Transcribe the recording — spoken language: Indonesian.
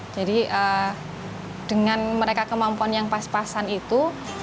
jadi dengan mereka kemampuan yang pas pasan itu